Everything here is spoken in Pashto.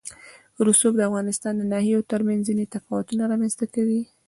رسوب د افغانستان د ناحیو ترمنځ ځینې تفاوتونه رامنځ ته کوي.